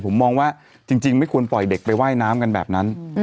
ผมมองว่าจริงไม่ควรปล่อยเด็กไปว่ายน้ำกันแบบนั้น